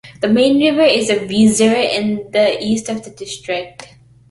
The main river is the Weser in the east of the district.